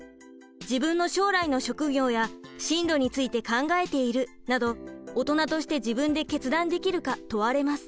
「自分の将来の職業や進路について考えている」などオトナとして自分で決断できるか問われます。